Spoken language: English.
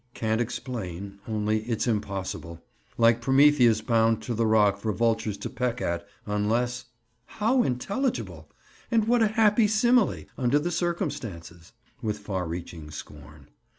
"Can't explain, only it's impossible. Like Prometheus bound to the rock for vultures to peck at, unless—" "How intelligible! And what a happy simile—under the circumstances!" with far reaching scorn.